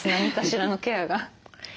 何かしらのケアが。